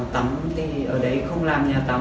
tắm thì ở đấy không làm nhà tắm